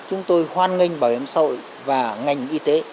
chúng tôi hoan nghênh bảo hiểm sội và ngành y tế